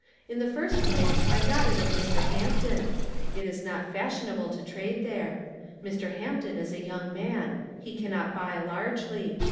In the first place, I got it of Mr. H^impton. It is not fashionable to trade there. Mr. Hampton is a young man. He cannot buy largely.